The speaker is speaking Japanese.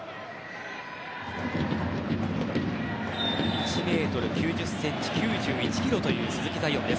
１ｍ９０ｃｍ、９１ｋｇという鈴木彩艶。